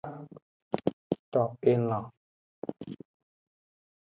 To elan.